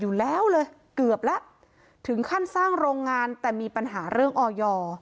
อยู่แล้วเลยเกือบแล้วถึงขั้นสร้างโรงงานแต่มีปัญหาเรื่องออย